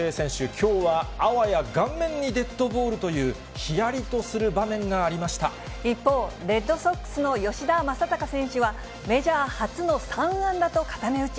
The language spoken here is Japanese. きょうはあわや顔面にデッドボールという、ひやりとする場面があ一方、レッドソックスの吉田正尚選手は、メジャー初の３安打と固め打ち。